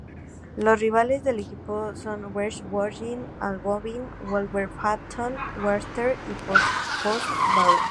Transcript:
Los rivales del equipo son West Bromwich Albion, Wolverhampton Wanderers y Port Vale.